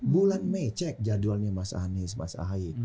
bulan mei cek jadwalnya mas anies mas ahai